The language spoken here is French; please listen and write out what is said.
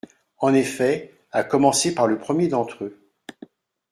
En effet, à commencer par le premier d’entre eux.